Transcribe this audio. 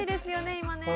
今ね。